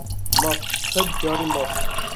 Mast sed carî mast.